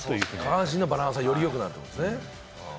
下半身のバランスがよりよくなるってことですね。